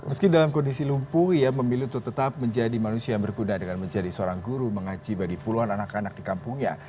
meski dalam kondisi lumpuh ia memilih untuk tetap menjadi manusia yang berkuda dengan menjadi seorang guru mengaji bagi puluhan anak anak di kampungnya